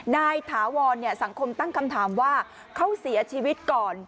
ถาวรสังคมตั้งคำถามว่าเขาเสียชีวิตก่อน